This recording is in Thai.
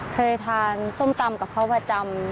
เคยทานส้มตำกับเขาประจำ